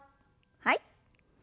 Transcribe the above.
はい。